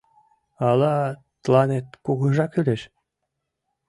Ала тыланет кугыжа кӱлеш?